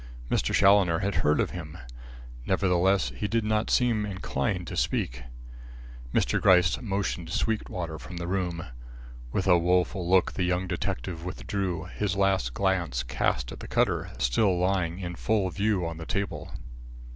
Mr. Challoner had heard of him. Nevertheless, he did not seem inclined to speak. Mr. Gryce motioned Sweetwater from the room. With a woeful look the young detective withdrew, his last glance cast at the cutter still lying in full view on the table.